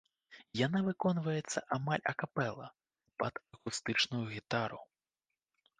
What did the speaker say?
Яна выконваецца амаль акапэла, пад акустычную гітару.